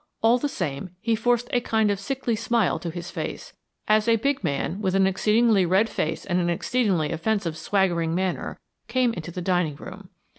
All the same, he forced a kind of sickly smile to his face, as a big man, with an exceedingly red face and an exceedingly offensive swaggering manner, came into the dining room.